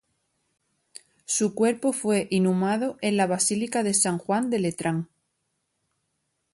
Su cuerpo fue inhumado en la Basílica de San Juan de Letrán.